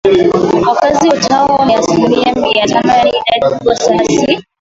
wakazi wote hao ni asilimia Mimi na tano yaani idadi kubwa sana si